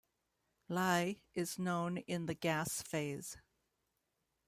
Li is known in the gas phase.